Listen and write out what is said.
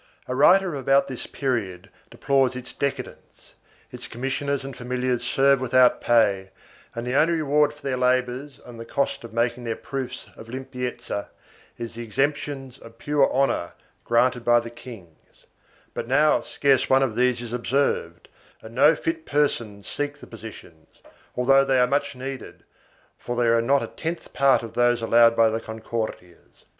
A writer of about this period deplores its decadence; its commis sioners and familiars serve without pay and the only reward for their labors arid the cost of making their proofs of limpieza is the exemptions of pure honor granted by the kings, but now scarce one of these is observed and no fit persons seek the positions, although they are much needed, for there are not a tenth part of those allowed by the Concordias.